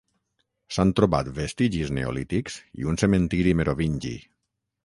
S'han trobat vestigis neolítics i un cementiri merovingi.